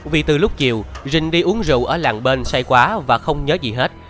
vì từ lúc chiều rình đi uống rượu ở làng bên say quá và không nhớ gì hết